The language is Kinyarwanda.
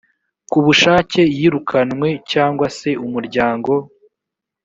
kubushake yirukanwe cyangwa se umuryango